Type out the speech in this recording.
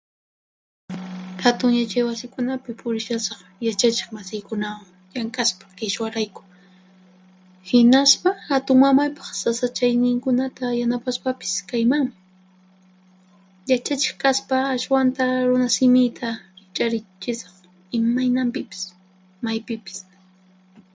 Hatun Yachay Wasikunapi purishasaq yachachiq masiykunawan llank'aspa qhichwarayku, hinaspa hatunmamaypaq sasachayninkunata yanapaspapis kaymanmi. Yachachiq kaspa ashwanta runasimiyta riqch'arichisaq imaynanpipis, maypipis.